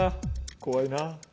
怖いな。